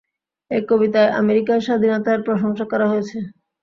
এই কবিতায় আমেরিকার স্বাধীনতার প্রশংসা করা হয়েছে।